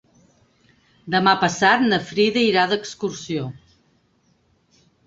Demà passat na Frida irà d'excursió.